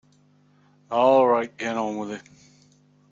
All right, get on with it.